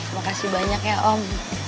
makasih banyak ya om